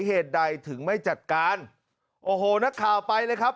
เหตุใดถึงไม่จัดการโอ้โหนักข่าวไปเลยครับ